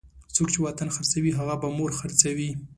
څوک چې وطن خرڅوي هغه به مور خرڅوي.